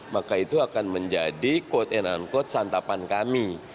maka itu akan menjadi quote and unquote santapan kami